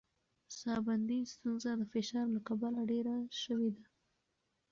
ساه بندي ستونزه د فشار له کبله ډېره شوې ده.